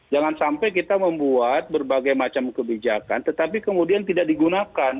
jangan sampai kita membuat berbagai macam kebijakan tetapi kemudian tidak digunakan